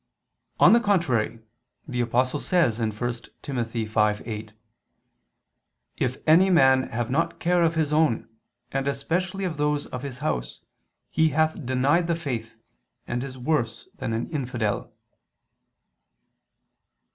On the contrary, The Apostle says (1 Tim. 5:8): "If any man have not care of his own, and especially of those of his house, he hath denied the faith, and is worse than an infidel."